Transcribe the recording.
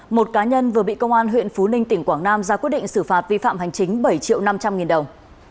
một cá nhân vừa bị công an huyện phú ninh tỉnh quảng nam ra quyết định xử phạt vi phạm hành chính bảy triệu năm trăm linh nghìn đồng